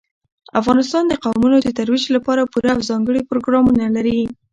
افغانستان د قومونه د ترویج لپاره پوره او ځانګړي پروګرامونه لري.